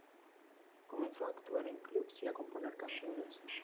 Comenzó a actuar en clubs y a componer canciones.